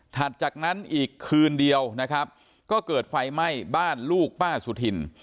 จากนั้นอีกคืนเดียวนะครับก็เกิดไฟไหม้บ้านลูกป้าสุธิน